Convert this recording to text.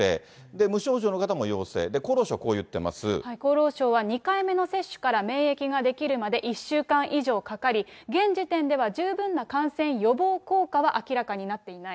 無症状の方も陽性、厚労省はこう厚労省は、２回目の接種から免疫が出来るまで１週間以上かかり、現時点では十分な感染予防効果は明らかになっていない。